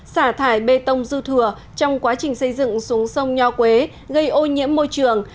xả thải bê tông dư thừa trong quá trình xây dựng xuống sông nho quế gây ô nhiễm môi trường